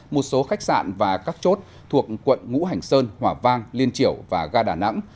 một số khách sạn và các chốt thuộc quận ngũ hành sơn hỏa vang liên triểu và ga đà nẵng